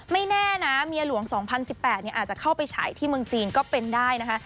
ไม่แน่นะเมียหลวง๒๐๑๘อาจจะเข้าไปฉายที่เมืองจีนก็เป็นได้นะคะ